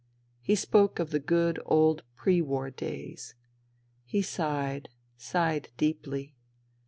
He spoke of the good old pre war days. He sighed, sighed deeply.